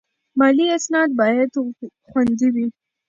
مالي اسناد باید خوندي وي.